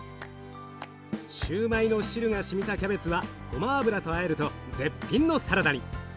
シューマイの汁がしみたキャベツはごま油とあえると絶品のサラダに。